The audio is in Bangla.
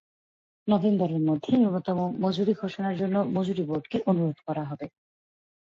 নভেম্বরের মধ্যে ন্যূনতম মজুরি ঘোষণার জন্য মজুরি বোর্ডকে অনুরোধ করা হবে।